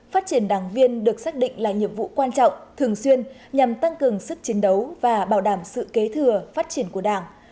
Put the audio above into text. phát triển đảng viên được xác định là nhiệm vụ quan trọng thường xuyên nhằm tăng cường sức chiến đấu và bảo đảm sự kế thừa phát triển của đảng